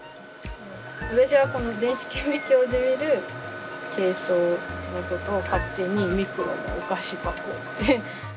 私はこの電子顕微鏡で見るケイソウの事を勝手に「ミクロのお菓子箱」って。